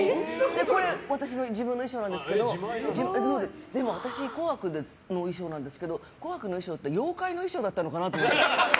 これ私の自分の衣装なんですけど私の「紅白」の衣装なんですけど「紅白」の衣装って妖怪の衣装だったのかなと思って。